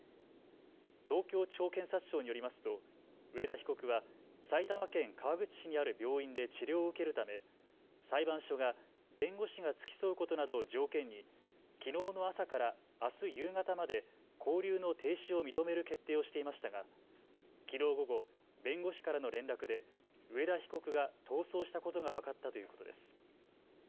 東京地方検察庁によりますと上田被告は埼玉県川口市にある病院で治療を受けるため裁判所が弁護士が付き添うことなどを条件にきのうの朝からあす夕方まで勾留の停止を認める決定をしていましたがきのう午後、弁護士からの連絡で上田被告が逃走したことが分かったということです。